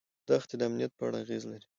دښتې د امنیت په اړه اغېز لري.